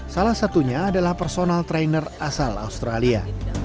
salah satunya adalah personal trainer asal australia